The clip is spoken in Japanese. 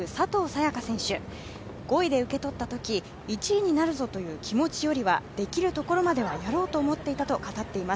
也伽選手、５位で受け取ったとき、１位になるぞという気持ちよりはできるところまではやろうと思っていたと語っています。